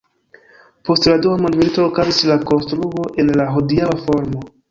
Post la Dua Mondmilito okazis la konstruo en la hodiaŭa formo.